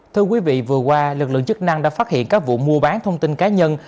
thưa quý vị vừa qua lực lượng chức năng đã phát hiện các vụ mua bán thông tin cá nhân